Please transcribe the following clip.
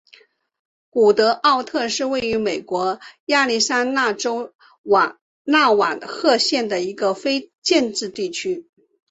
古德沃特是位于美国亚利桑那州纳瓦霍县的一个非建制地区。